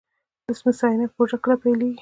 د مس عینک پروژه کله پیلیږي؟